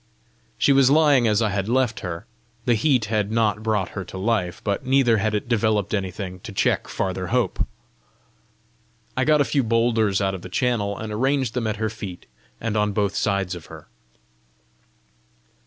She was lying as I had left her. The heat had not brought her to life, but neither had it developed anything to check farther hope. I got a few boulders out of the channel, and arranged them at her feet and on both sides of her.